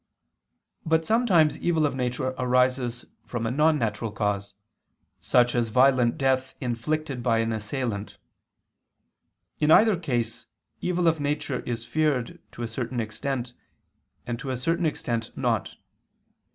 But sometimes evil of nature arises from a non natural cause; such as violent death inflicted by an assailant. In either case evil of nature is feared to a certain extent, and to a certain extent not.